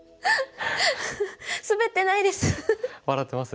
ああ。